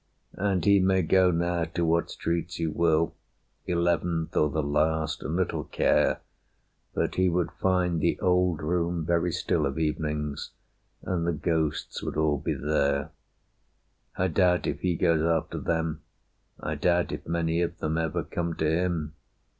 And he may go now to what streets he will Eleventh, or the last, and little care; But he would find the old room very still Of evenings, and the ghosts would all be there. I doubt if he goes after them; I doubt If many of them ever come to him.